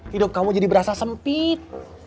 hidup kamu jadi berasa sempit